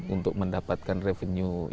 untuk mendapatkan revenue